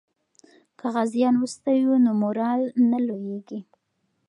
که غازیان وستایو نو مورال نه لویږي.